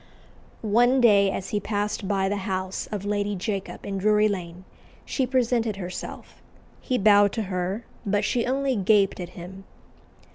One day, as he passed by the house of Lady Jacob in Drury Lane, she presented herself: he bowed to her, but she only gaped at him.